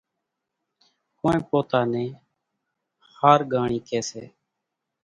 ڪونئين پوتا نين ۿارڳانڻِي ڪيَ سي۔